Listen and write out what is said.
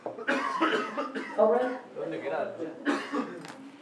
Torres is a Jehovah's Witness.